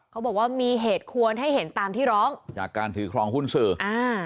เขาบอกว่ามีเหตุควรให้เห็นตามที่ร้องจากการถือครองหุ้นสื่ออ่า